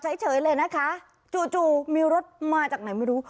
เฉยเลยนะคะจู่มีรถมาจากไหนไม่รู้